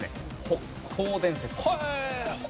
北行伝説。